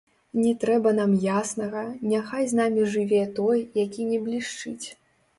Не трэба нам яснага, няхай з намі жыве той, які не блішчыць.